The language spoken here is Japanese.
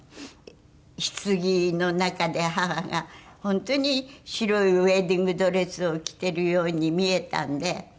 ひつぎの中で母が本当に白いウェディングドレスを着てるように見えたので。